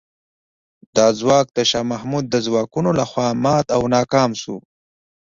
دا ځواک د شاه محمود د ځواکونو له خوا مات او ناکام شو.